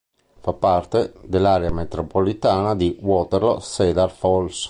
Fa parte dell'area metropolitana di Waterloo-Cedar Falls.